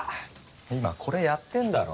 今これやってんだろ？